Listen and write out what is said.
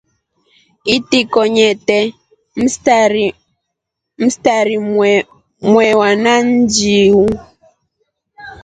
Itiko nyete mstari mwewa na njiu.